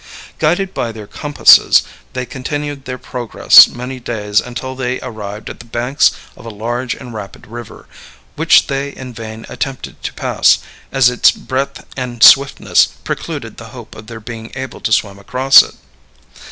Guided by their compasses, they continued their progress many days until they arrived at the banks of a large and rapid river, which they in vain attempted to pass, as its breadth and swiftness precluded the hope of their being able to swim across it.